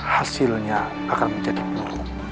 hasilnya akan menjadikmu